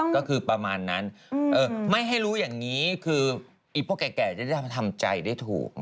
ก็คือประมาณนั้นไม่ให้รู้อย่างนี้คือไอ้พวกแก่จะได้ทำใจได้ถูก